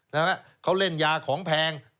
นะฮะเขาเล่นยาของแพง